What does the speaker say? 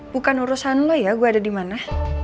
bukan urusan lo ya gue ada di mana